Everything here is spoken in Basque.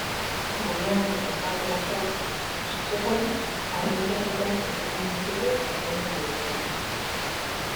Gurean, esaterako, askotan argindar etenak izaten ditugu ordenagailu gelan.